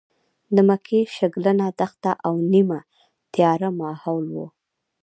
د مکې شګلنه دښته او نیمه تیاره ماحول و.